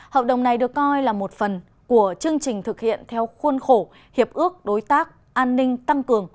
hợp đồng này được coi là một phần của chương trình thực hiện theo khuôn khổ hiệp ước đối tác an ninh tăng cường